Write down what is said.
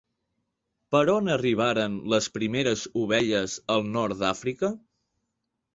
Per on arribaren les primeres ovelles al nord d'Àfrica?